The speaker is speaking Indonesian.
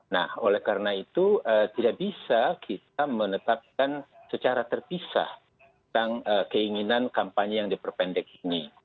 nah oleh karena itu tidak bisa kita menetapkan secara terpisah tentang keinginan kampanye yang diperpendek ini